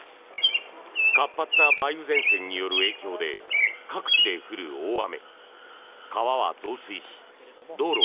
活発な梅雨前線による影響で各地で降る大雨。